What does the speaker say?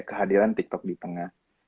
kehadiran tiktok di tengah